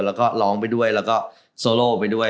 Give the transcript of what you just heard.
แล้วก็ร้องไปด้วยแล้วก็โซโลไปด้วย